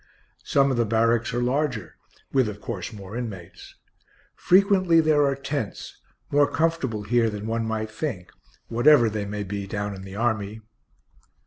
Some of the barracks are larger, with, of course, more inmates. Frequently there are tents, more comfortable here than one might think, whatever they may be down in the army.